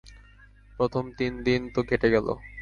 প্রথম তিন দিন তো কেটে গেল।